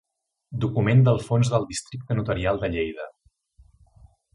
Document del fons del Districte Notarial de Lleida.